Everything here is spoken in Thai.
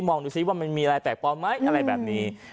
มองดูซิว่ามันมีอะไรแปลกปลอมไหมอะไรแบบนี้